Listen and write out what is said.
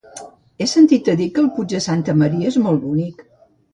He sentit a dir que el Puig de Santa Maria és molt bonic.